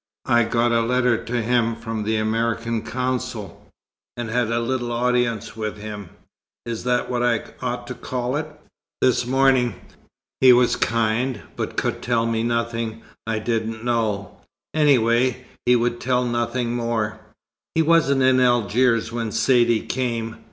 "I got a letter to him from the American Consul, and had a little audience with him is that what I ought to call it? this morning. He was kind, but could tell me nothing I didn't know any way, he would tell nothing more. He wasn't in Algiers when Saidee came.